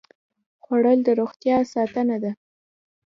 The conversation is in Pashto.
خوړل د روغتیا ساتنه ده